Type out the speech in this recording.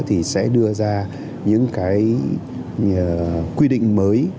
thì sẽ đưa ra những cái quy định mới